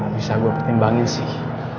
bisa gue pertimbangin sih